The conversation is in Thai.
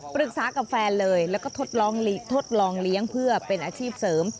ปรึกษากับแฟนเลยแล้วก็ทดลองทดลองเลี้ยงเพื่อเป็นอาชีพเสริม